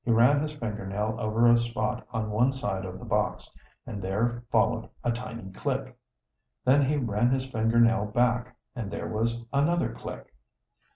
He ran his finger nail over a spot on one side of the box, and there followed a tiny click. Then he ran his finger nail back, and there was another click.